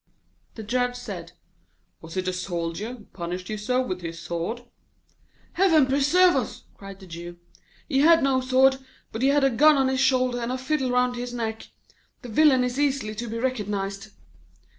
The Judge said: 'Was it a soldier who punished you so with his sword?' 'Heaven preserve us!' cried the Jew, 'he had no sword, but he had a gun on his shoulder and a fiddle round his neck. The villain is easily to be recognised.'